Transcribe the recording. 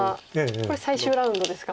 これ最終ラウンドですか。